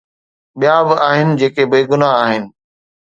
ٻيا به آهن جيڪي بيگناهه آهن.